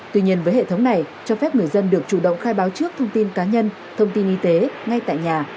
tuy nhiên với hệ thống này cho phép người dân được chủ động khai báo trước thông tin cá nhân thông tin y tế ngay tại nhà